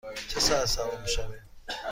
چه ساعتی سوار می شویم؟